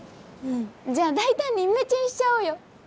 じゃあ大胆にイメチェンしちゃおうよ！